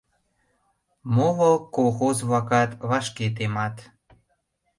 Моло колхоз-влакат вашке темат...